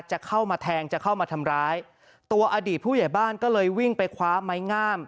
จะเข้ามาแทงจะเข้ามาทำร้ายตัวอดีตผู้ใหญ่บ้านก็เลยวิ่งไปคว้าไม้งาม